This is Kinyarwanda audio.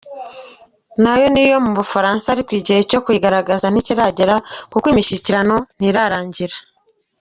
Nayo ni iyo mu Bufaransa ariko igihe cyo kuyitangaza ntikiragera kuko imishyikirano ntirarangira.